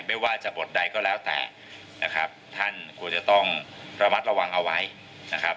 ไม่ว่าจะบทใดก็แล้วแต่นะครับท่านควรจะต้องระมัดระวังเอาไว้นะครับ